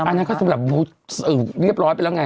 อันนั้นก็สำหรับเรียบร้อยไปแล้วไง